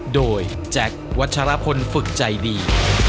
โดยแจ็ควัชรพลฝึกใจดี